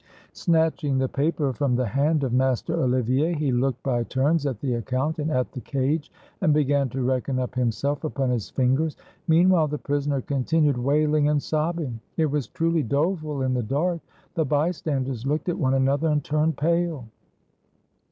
Snatching the paper from the hand of Master Oli vier, he looked by turns at the account and at the cage, and began to reckon up himself upon his fingers. Meanwhile, the prisoner continued wailing and sobbing. It was truly doleful in the dark. The bystanders looked at one another and turned pale.